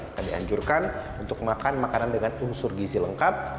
akan dianjurkan untuk makan makanan dengan unsur gizi lengkap